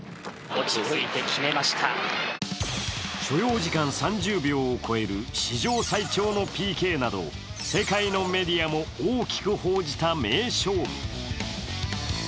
所要時間３０秒を超える史上最長のＰＫなど世界のメディアも大きく報じた名勝負。